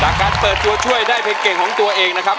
การเปิดตัวช่วยได้เพลงเก่งของตัวเองนะครับ